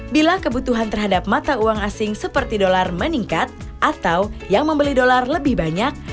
bila kebutuhan terhadap mata uang asing seperti dolar meningkat atau yang membeli dolar lebih banyak